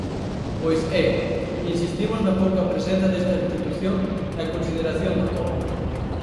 Pois é: insistimos na pouca presenza destas institución na consideración do pobo.